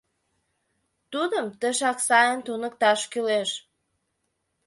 Тудым тышак сайын туныкташ кӱлеш.